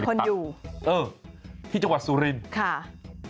แค่ที่จังหวัดสุรินทรัพย์